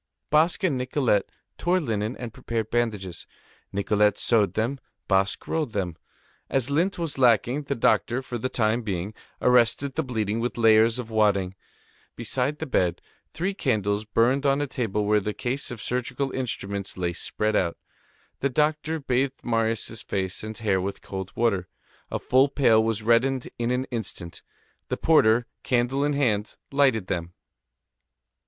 Basque and Nicolette tore up linen and prepared bandages; Nicolette sewed them, Basque rolled them. As lint was lacking, the doctor, for the time being, arrested the bleeding with layers of wadding. Beside the bed, three candles burned on a table where the case of surgical instruments lay spread out. The doctor bathed Marius' face and hair with cold water. A full pail was reddened in an instant. The porter, candle in hand, lighted them.